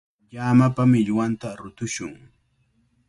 Llamapa millwanta rutushun.